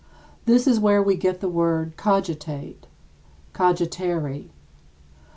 This is where we get the word cogitate [cogitare].